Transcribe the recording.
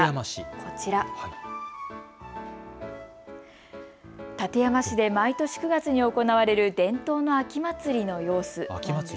こちら、館山市で毎年９月に行われる伝統の秋祭りの様子。